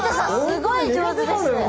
すごい上手ですね。